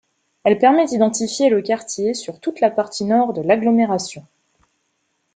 Elle permet d'identifier le quartier sur toute la partie nord de l'agglomération.